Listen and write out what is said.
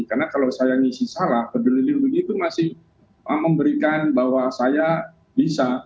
karena kalau saya ngisi salah peduli lindungi itu masih memberikan bahwa saya bisa